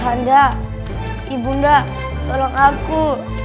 ibu anda ibu anda tolong aku